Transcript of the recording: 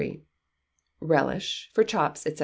Relish, for Chops, &c.